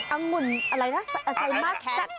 อังุ่นอะไรนะไซม่าแคท